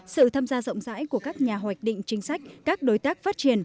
sự tham gia rộng rãi của các nhà hoạch định chính sách các đối tác phát triển